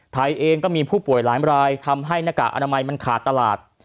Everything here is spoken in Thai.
ไทยเองก็มีผู้ป่วยหลายรายทำให้หน้ากากอนามัยมันขาดตลาด